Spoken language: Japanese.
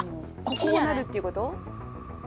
こうなるっていうこと？